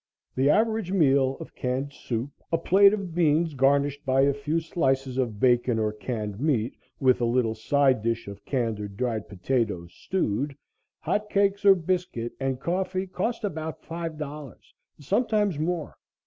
The average meal of canned soup, a plate of beans garnished by a few slices of bacon or canned meat, with a little side dish of canned or dried potatoes stewed, hot cakes or biscuit and coffee, cost about $5 and sometimes more.